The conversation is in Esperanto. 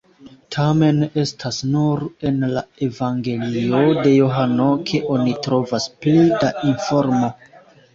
Tamen, estas nur en la Evangelio de Johano ke oni trovas pli da informo.